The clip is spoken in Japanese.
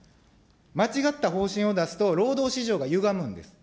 間違った方針を出すと労働市場がゆがむんです。